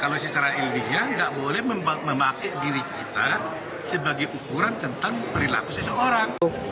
kalau secara ilmiah tidak boleh memakai diri kita sebagai ukuran tentang perilaku seseorang